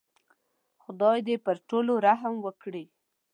خدای دې پر ټولو رحم وکړي.